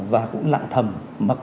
và cũng lạng thầm